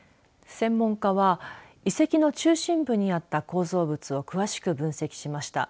専門家は遺跡の中心部にあった構造物を詳しく分析しました。